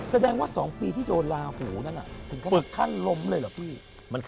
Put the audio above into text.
แสดงว่าสองปีที่โดนลาหูนั่นอ่ะ